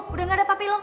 udah gak ada papi lo kok